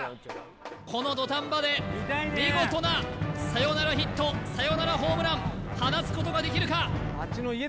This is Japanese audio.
この土壇場で見事なサヨナラヒットサヨナラホームラン放つことができるか？